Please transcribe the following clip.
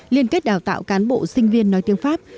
liên kết đào tạo cán bộ sinh viên nói tiếng pháp